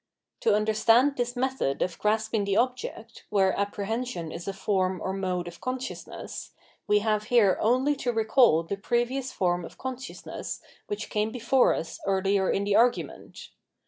To understand this method of grasping the object, where apprehension is a form or mode of consciousness, we have here only to recall the previous forms of con sciousness which came before us earher in the argument.